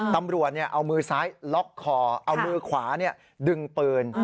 ตำรวจเอามือซ้ายล็อกคอเอามือขวาดึงปืน